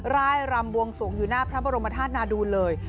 ร่ายรำบวงสวงอยู่หน้าพระบรมธาตุนาดูลเลย